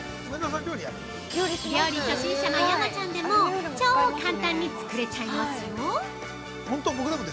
料理初心者の山ちゃんでも超簡単に作れちゃいますよー！